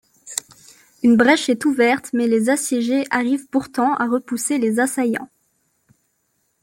Une brèche est ouverte mais les assiégés arrivent pourtant à repousser les assaillants.